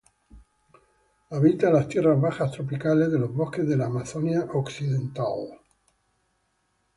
Habita las tierras bajas tropicales de los bosques de la Amazonía occidental.